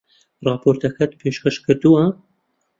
ڕاپۆرتەکەت پێشکەش کردووە؟